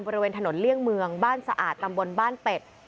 บริเวณถนนเลี่ยงเมืองบ้านสะอาดตำบลบ้านเป็ด